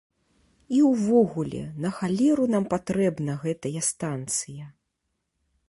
І ўвогуле, на халеру нам патрэбна гэтая станцыя?